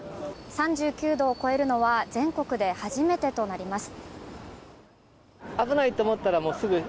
３９度を超えるのは全国で初めてとなります。